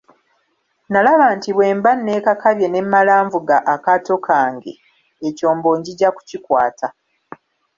Nalaba nti bwe mba neekakabye ne mmala nvuga akaato kange, ekyombo njija kukikwata.